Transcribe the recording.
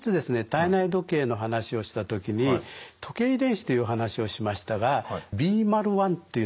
体内時計の話をした時に時計遺伝子という話をしましたがビーマル１というのがあるんですね。